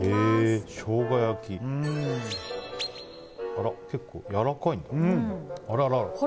あら、結構やわらかいんだ。